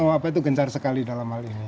ini itu kan kita kencar sekali dalam hal itu